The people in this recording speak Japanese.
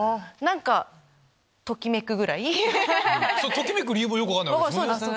ときめく理由もよく分かんないわけですもんね。